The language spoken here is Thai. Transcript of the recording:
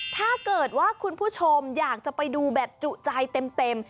ถ้าเกิดว่าคุณผู้ชมอยากจะไปดูแบบจุใจเต็ม